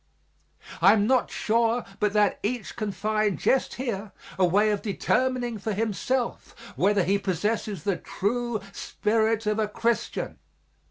I am not sure but that each can find just here a way of determining for himself whether he possesses the true spirit of a Christian.